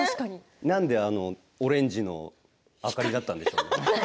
何であのオレンジの明かりだったんでしょうね。